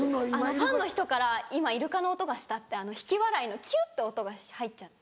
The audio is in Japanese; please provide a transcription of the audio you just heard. ファンの人から今イルカの音がしたって引き笑いのキュって音が入っちゃって。